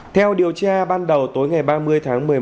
theo điều tra ban đầu tối ngày ba mươi tháng một mươi một